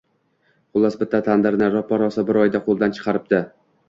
Xullas, bitta tandirni roppa-rosa bir oyda qo'ldan chiqaribdi